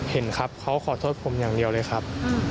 เห็นครับเขาขอโทษผมอย่างเดียวเลยครับ